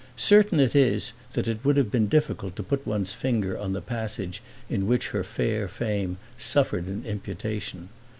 Certain it is that it would have been difficult to put one's finger on the passage in which her fair fame suffered an imputation.